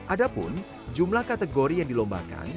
ada pun jumlah kategori yang dilombakan